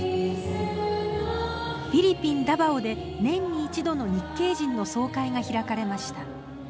フィリピン・ダバオで年に一度の日系人の総会が開かれました。